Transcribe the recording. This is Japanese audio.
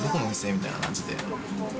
みたいな感じで。